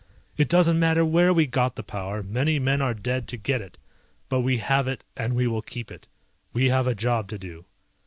It doesn't matter where we got the power, many men are dead to get it, but we have it, and we will keep it. We have a job to do."